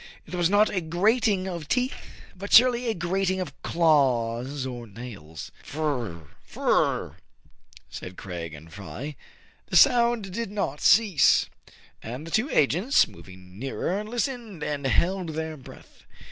It was not a grating of teeth, but surely ^ grating of claws or nails. 2IO TRIBULATIONS OF A CHINAMAN. " F r r r ! I" r r r !*' said Craig and Fry. The sound did not cease. And the two agents, moving nearer, listened, and held their breath.